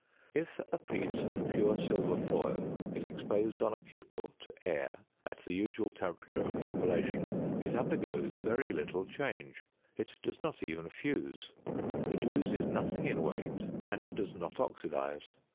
If a piece of pure silver foil is exposed on a cupel to air at the usual temperature of cupellation, it undergoes very little change; it does not even fuse; it loses nothing in weight, and does not oxidise.